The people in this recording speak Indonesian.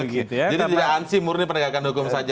jadi tidak ansi murni penegakan hukum saja